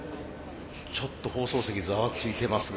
ちょっと放送席ざわついてますが。